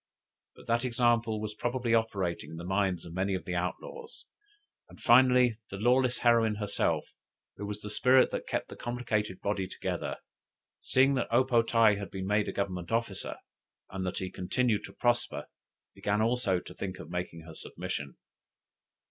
But that example was probably operating in the minds of many of the outlaws, and finally the lawless heroine herself, who was the spirit that kept the complicate body together, seeing that O po tae had been made a government officer, and that he continued to prosper, began also to think of making her submission.